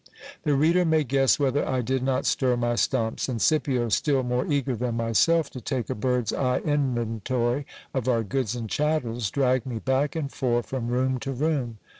The reader may guess whether I did not stir my stumps ; and Scipio, still more eager than myself to take a bird's eye inventory of our goods and chattels, dragged me back and fore from room to room.